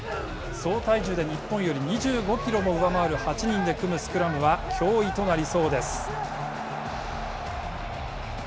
総体重で日本より２５キロも上回る８人で組むスクラムは、脅威となりそうです。